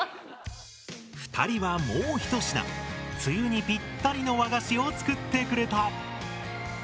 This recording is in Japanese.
２人はもうひと品梅雨にぴったりの和菓子を作ってくれた。